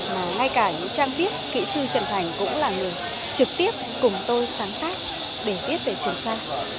mà ngay cả những trang viết kỹ sư trần thành cũng là người trực tiếp cùng tôi sáng tác để viết về trường sa